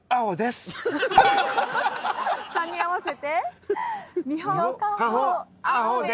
３人合わせて。